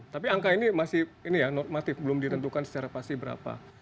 tapi angka ini masih ini ya normatif belum ditentukan secara pasti berapa